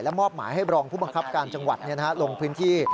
มอบหมายให้รองผู้บังคับการจังหวัดลงพื้นที่